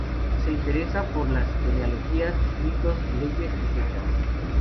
Se interesa por las genealogías, ritos, leyes y fechas.